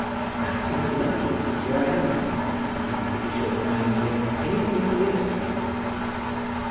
"That is lucky, as here I am. You may be pretty sure to find me here any day in the year."